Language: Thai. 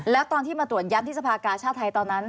แล้วตอนที่มาตรวจย้ำที่สภากาชาติไทยตอนนั้น